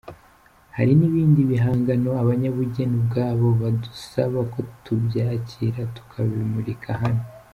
Hari n’ibindi bihangano abanyabugeni ubwabo badusaba ko tubyakira tukabimurika hano.